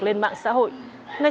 lên mạng xã hội